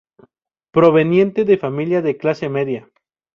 Proveniente de familia de clase media.